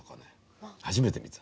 初めて見た。